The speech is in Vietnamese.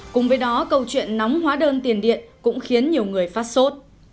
cùng với đó câu chuyện nóng hóa đơn tiền điện cũng khiến nhiều người phát sốt